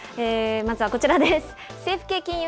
まずはこちらです。